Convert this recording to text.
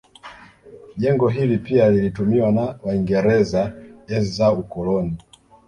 Jengo hili pia lilitumiwa na waingereza enzi za ukoloni